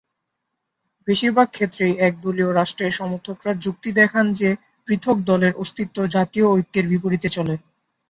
বেশিরভাগ ক্ষেত্রেই একদলীয় রাষ্ট্রের সমর্থকরা যুক্তি দেখান যে পৃথক দলের অস্তিত্ব জাতীয় ঐক্যের বিপরীতে চলে।